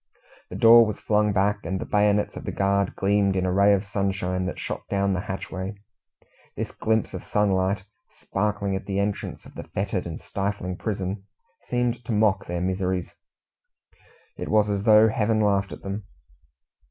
The door was flung back, and the bayonets of the guard gleamed in a ray of sunshine that shot down the hatchway. This glimpse of sunlight sparkling at the entrance of the foetid and stifling prison seemed to mock their miseries. It was as though Heaven laughed at them.